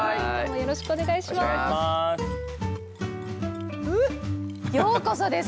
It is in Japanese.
よろしくお願いします。